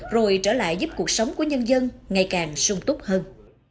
rồi trở lại giúp cuộc sống của nhân dân ngày càng sung túc hơn